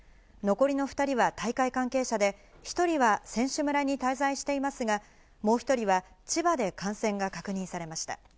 残りの２人は大会関係者で、１人は選手村に滞在していますが、もう１人は千葉で感染が確認されました。